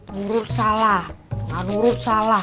nurut salah ga nurut salah